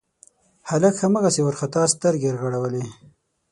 هلک هماغسې وارخطا سترګې رغړولې.